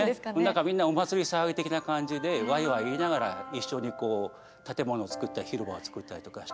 なんかみんなお祭り騒ぎ的な感じでワイワイ言いながら一緒に建物を造ったり広場をつくったりとかして。